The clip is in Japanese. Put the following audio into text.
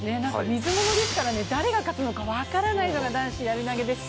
水物ですから、誰が勝つのか分からないのが男子やり投です。